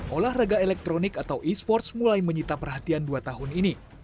olahraga elektronik atau e sports mulai menyita perhatian dua tahun ini